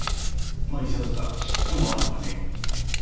まあいささか嫉妬もあるがね。